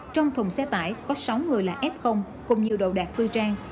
trong thùng xe tải có sáu người là f cùng nhiều đồ đạc tư trang